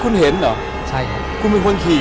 ถูกต้องไหมครับถูกต้องไหมครับ